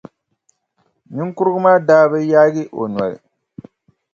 Niŋkurugu maa daa bi yaagi o noli.